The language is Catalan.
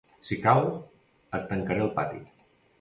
Si cal, et tancaré al pati.